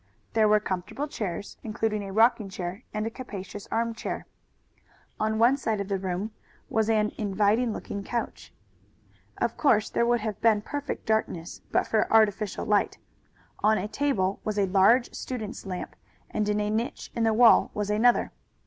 There were comfortable chairs, including a rocking chair and a capacious armchair. On one side of the room was an inviting looking couch. Of course there would have been perfect darkness but for artificial light. On a table was a large student's lamp and in a niche in the wall was another.